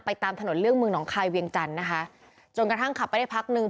ตามถนนเลี่ยงเมืองหนองคายเวียงจันทร์นะคะจนกระทั่งขับไปได้พักหนึ่ง